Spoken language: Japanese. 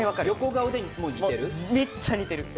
めっちゃ似てる。